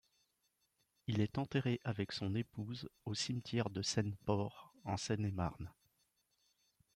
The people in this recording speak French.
Il est enterré avec son épouse au cimetière de Seine-Port en Seine-et-Marne.